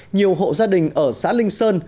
nhiều hộ gia đình ở xã linh sơn